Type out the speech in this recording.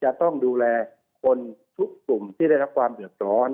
เราต้องดูแลคนทุกปุ่มที่ได้เจอความเหลือดร้อน